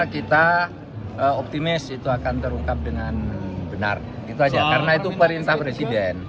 kita optimis itu akan terungkap dengan benar itu aja karena itu perintah presiden